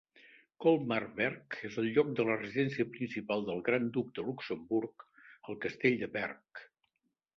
Colmar-Berg és el lloc de la residència principal del Gran Duc de Luxemburg, el castell de Berg.